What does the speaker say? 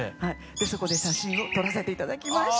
そこで写真を撮らせて頂きました。